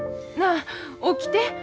なあ起きて。